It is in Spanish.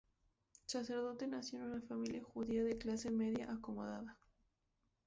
Sacerdote nació en una familia judía de clase media acomodada.